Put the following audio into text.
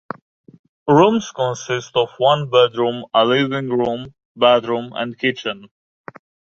Rooms consist of one bedroom, a living room, bathroom and kitchen.